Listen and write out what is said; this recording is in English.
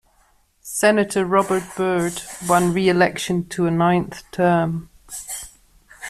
Senator Robert Byrd won re-election to a ninth term.